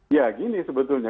ya gini sebetulnya